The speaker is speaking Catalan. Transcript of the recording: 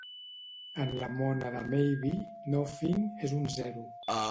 En la mònada Maybe, "Nothing" és un zero.